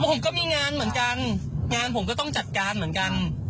ผมก็มีงานเหมือนกันงานผมก็ต้องจัดการเหมือนกัน